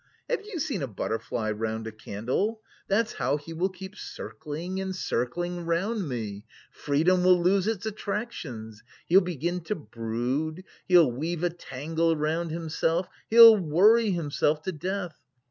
Have you seen a butterfly round a candle? That's how he will keep circling and circling round me. Freedom will lose its attractions. He'll begin to brood, he'll weave a tangle round himself, he'll worry himself to death!